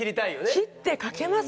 切ってかけます